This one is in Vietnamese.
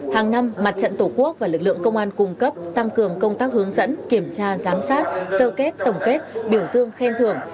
hàng năm mặt trận tổ quốc và lực lượng công an cung cấp tăng cường công tác hướng dẫn kiểm tra giám sát sơ kết tổng kết biểu dương khen thưởng